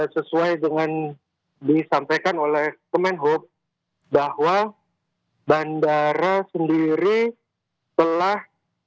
sesuai dengan disampaikan oleh kemenhub bahwa bandara sendiri telah